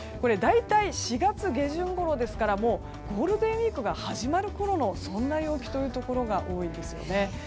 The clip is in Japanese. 大体４月下旬頃ですからゴールデンウィークが始まるころの陽気というところが多いんですね。